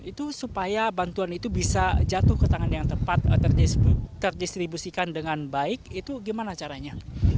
itu supaya bantuan itu bisa jatuh ke tangan yang tepat terdistribusikan dengan baik itu gimana caranya